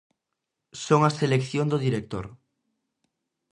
Son a selección do director.